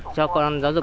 cho con giáo dục